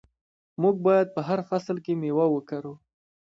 موږ باید په هر فصل کې میوه وکرو.